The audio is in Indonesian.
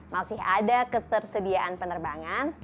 masih ada ketersediaan penerbangan